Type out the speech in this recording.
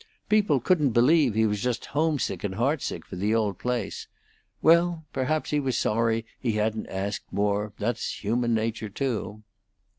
People couldn't believe he was just homesick and heartsick for the old place. Well, perhaps he was sorry he hadn't asked more; that's human nature, too.